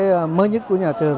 cái mới nhất của nhà trường